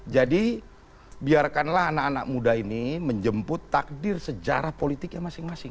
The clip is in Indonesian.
jadi biarkanlah anak anak muda ini menjemput takdir sejarah politiknya masing masing